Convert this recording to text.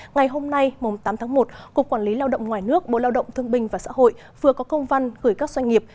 ngày hôm nay tám tháng một cục quản lý lao động ngoài nước bộ lao động thương binh và xã hội vừa có công văn gửi các doanh nghiệp